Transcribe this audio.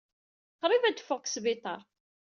Qrib ad d-teffeɣ seg sbiṭar.